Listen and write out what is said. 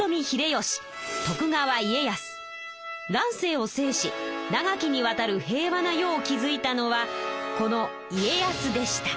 乱世を制し長きにわたる平和な世を築いたのはこの家康でした。